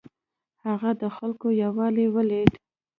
هغه د خلکو یووالی ولید.